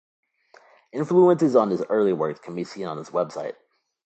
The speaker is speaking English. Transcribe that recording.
Influences on his early works can be seen on his website.